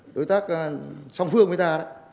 đối tác song phương với ta